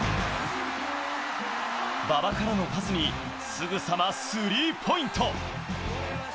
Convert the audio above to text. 馬場からのパスに、すぐさまスリーポイント。